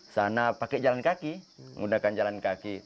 sana pakai jalan kaki menggunakan jalan kaki